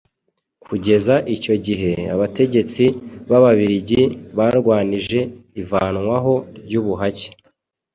Kugeza icyo gihe Abategetsi b'Ababiligi barwanije ivanwaho ry'ubuhake.